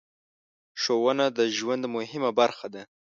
ښوونه د ژوند مهمه برخه ده.